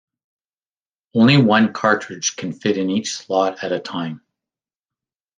Only one cartridge can fit in each slot at a time.